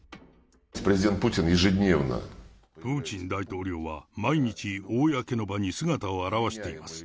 プーチン大統領は毎日、公の場に姿を現しています。